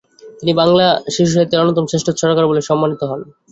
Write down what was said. তিনি বাংলা শিশুসাহিত্যের অন্যতম শ্রেষ্ঠ ছড়াকার বলে সম্মানিত হন।